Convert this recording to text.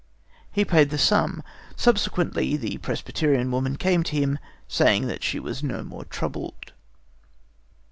He paid the sum. Subsequently the Presbyterian woman came to him, saying that she was no more troubled.